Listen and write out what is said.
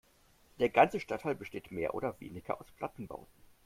Der ganze Stadtteil besteht mehr oder weniger aus Plattenbauten.